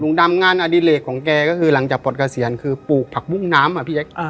ดำงานอดิเลกของแกก็คือหลังจากปลดเกษียณคือปลูกผักบุ้งน้ำอ่ะพี่แจ๊ค